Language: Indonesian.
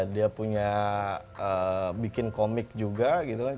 dia punya bikin komik juga gitu kan